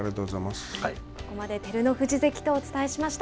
ここまで照ノ富士関とお伝えしました。